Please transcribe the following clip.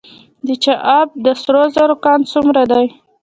د چاه اب د سرو زرو کان څومره دی؟